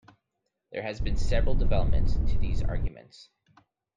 There have been several developments to these arrangements.